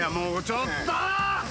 ちょっと！